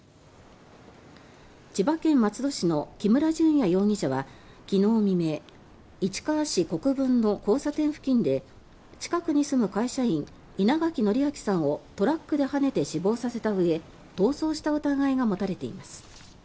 千葉県松戸市の木村隼也容疑者は昨日未明市川市国分の交差点付近で近くに住む会社員稲垣徳昭さんをトラックではねて死亡させたうえ逃走した疑いが持たれています。